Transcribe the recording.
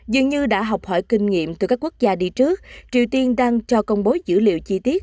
dường như đã học hỏi kinh nghiệm từ các quốc gia đi trước triều tiên đang cho công bố dữ liệu chi tiết